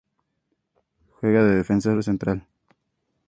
Juega de defensor central.